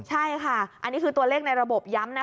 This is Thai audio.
ใช่ค่ะอันนี้คือตัวเลขในระบบย้ำนะ